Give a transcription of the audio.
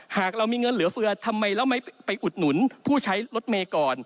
หากเรามีเงินเหลือเฟือทำไมเราไม่ไปอุดหนุนผู้ใช้รถเมย์ก่อน